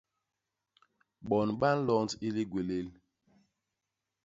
Bon ba nlond i ligwélél.